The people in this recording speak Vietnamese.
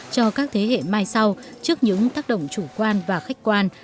cho các thế hệ mai sau trước những tác động chủ quan và khách quan